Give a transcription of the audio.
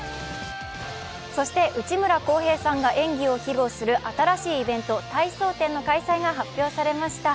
内村航平さんが演技を披露する新しいイベント「体操展」の開催が発表されました。